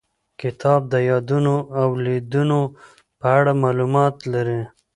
کتاب د یادونو او لیدنو په اړه معلومات لري.